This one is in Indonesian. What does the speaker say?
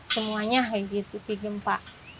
semuanya kayak gitu sih gempa